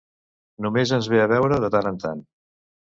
Només ens ve a veure de tant en tant.